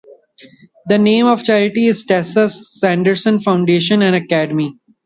The name of the charity is the Tessa Sanderson Foundation and Academy.